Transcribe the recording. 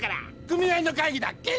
組合の会議だっけ？